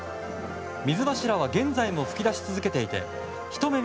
水柱は現在も噴き出し続けていてひと目